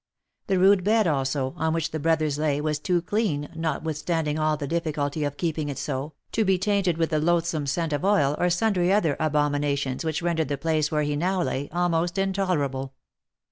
The rude bed also, on which the brothers lay, was too clean, notwithstanding all the difficulty of keeping it so, to be tainted with the loathsome scent of oil, or sundry other abominations which rendered the place where he now lay, almost intolerable.